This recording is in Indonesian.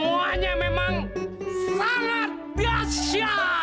muahnya memang sangat biasa